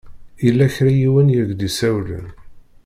Yella kra n yiwen i ak-d-isawlen.